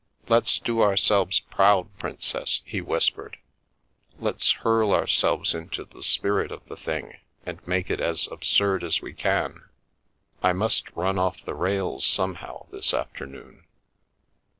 " Let's do ourselves proud, princess !" he whispered. "Let's hurl ourselves into the spirit of the thing and make it as absurd as we can. I must run off the rails somehow this afternoon."